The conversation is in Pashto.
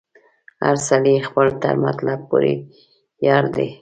هر سړی خپل تر مطلبه پوري یار دی